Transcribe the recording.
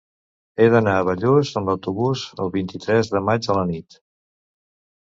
He d'anar a Bellús amb autobús el vint-i-tres de maig a la nit.